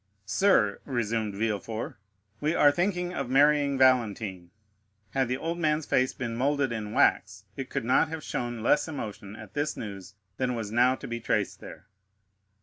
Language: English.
"Sir," resumed Villefort, "we are thinking of marrying Valentine." Had the old man's face been moulded in wax it could not have shown less emotion at this news than was now to be traced there.